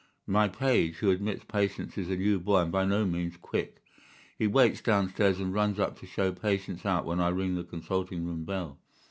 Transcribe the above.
My page who admits patients is a new boy and by no means quick. He waits downstairs, and runs up to show patients out when I ring the consulting room bell.